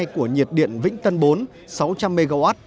của nhiệt điện vĩnh tân bốn sáu trăm linh mw